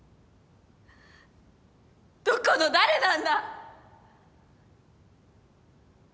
どこの誰なんだ？